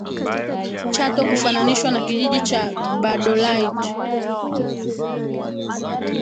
Chato kufananishwa na kijiji cha Gbadolite